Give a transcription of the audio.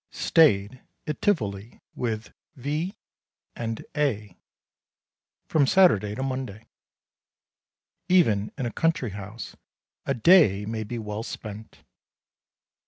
Stayed at Tivoli with V.... and A.... from Saturday to Monday. Even in a country house a day may be well spent.